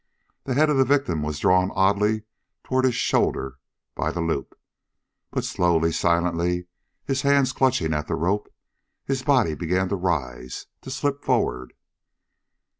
The head of the victim was drawn oddly toward his shoulder by the loop, but slowly, silently, his hands clutching at the rope, his body began to rise, to slip forward.